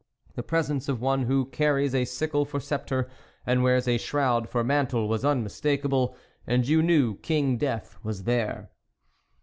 The presence of one who carries a sickle for sceptre, and wears a shroud for mantle was unmistakeable, and you knew King Death was there.